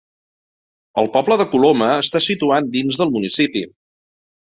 El poble de Coloma està situat dins del municipi.